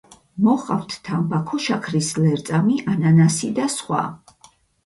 მოჰყავთ თამბაქო, შაქრის ლერწამი, ანანასი და სხვა.